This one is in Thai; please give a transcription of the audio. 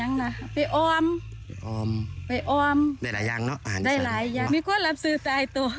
โอ้โฮเยอะ